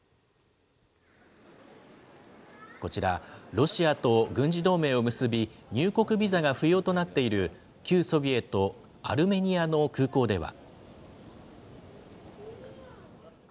こちら、ロシアと軍事同盟を結び、入国ビザが不要となっている旧ソビエト・アルメニアの空港では。